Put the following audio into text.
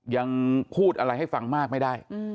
ยังพูดอะไรให้ฟังมากไม่ได้